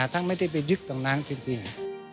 ท่านไม่ได้ไปยึดตรงนั้นจริง